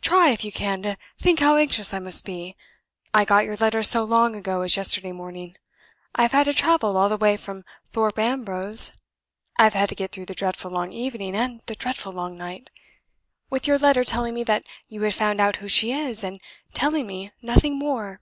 "Try, if you can, to think how anxious I must be. I got your letter so long ago as yesterday morning. I have had to travel all the way from Thorpe Ambrose I have had to get through the dreadful long evening and the dreadful long night with your letter telling me that you had found out who she is, and telling me nothing more.